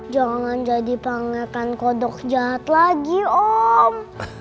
jangan jadi pangeran kodok jahat lagi om